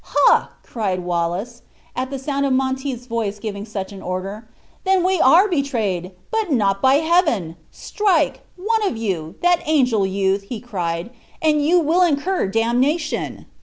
"Hah!" cried Wallace, at the sound of Monteith's voice giving such an order "then we are betrayed but not by Heaven! Strike, one of you, that angel youth," cried he, "and you will incur damnation!"